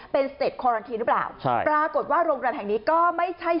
เป็นสเต็ปคอรันทีหรือเปล่าใช่ปรากฏว่าโรงแรมแห่งนี้ก็ไม่ใช่